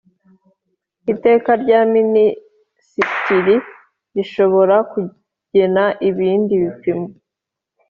Iteka rya Minisitiri rishobora kugena ibindi bipimo